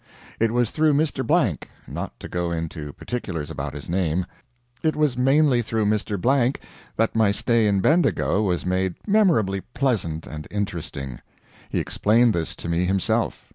It was through Mr. Blank not to go into particulars about his name it was mainly through Mr. Blank that my stay in Bendigo was made memorably pleasant and interesting. He explained this to me himself.